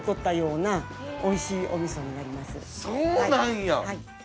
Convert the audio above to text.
そうなんや！